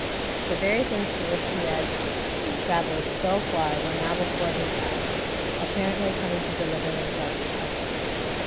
The very things for which he had travelled so far were now before his eyes, apparently coming to deliver themselves up.